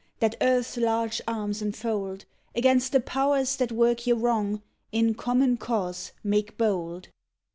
That earth's large arms enfold, Against the powers that work ye wrong, In common cause make bold.